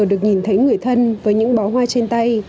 được nhìn thấy người thân với những bó hoa trên tay